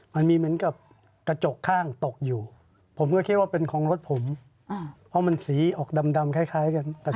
เพราะมันสีออกดำคล้ายกัน